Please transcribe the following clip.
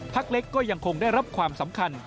เล็กก็ยังคงได้รับความสำคัญ